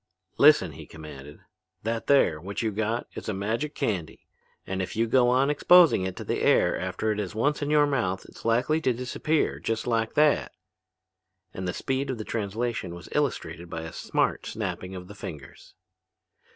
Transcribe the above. "Listen," he commanded, "that there, what you got, is a magic candy, and if you go on exposing it to the air after it is once in your mouth it's likely to disappear, just like that." And the speed of the translation was illustrated by a smart snapping of the fingers.